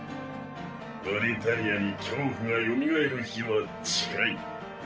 ブリタニアに恐怖がよみがえる日は近い。